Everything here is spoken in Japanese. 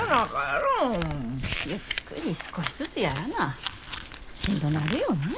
ゆっくり少しずつやらなしんどなるよね。